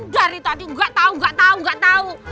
dari tadi gak tau gak tau gak tau